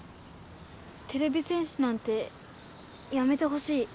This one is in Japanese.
てれび戦士なんてやめてほしい。